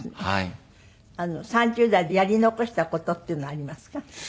３０代でやり残した事っていうのはありますか？